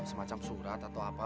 semacam surat atau apa